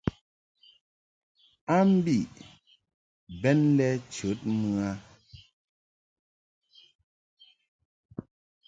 A mbiʼ bɛn lɛ chəd mɨ a.